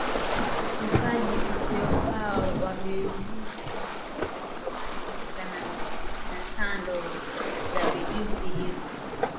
Utupaji usiofaa wa vijusi vilivyoharibika na tando za vijusi hivyo